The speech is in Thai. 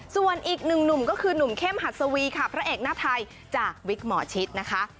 ส่วนอีกหนึ่งหนุ่มก็คือหนุ่มเข้มหัสวีค่ะพระเอกหน้าไทยจากวิกหมอชิดนะคะ